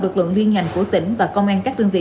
lực lượng liên ngành của tỉnh và công an các đơn vị